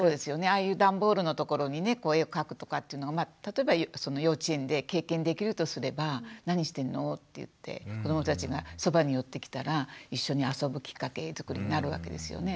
ああいう段ボールのところにね絵を描くとかっていうのが例えば幼稚園で経験できるとすれば「何してるの？」って言って子どもたちがそばに寄ってきたら一緒に遊ぶきっかけづくりになるわけですよね。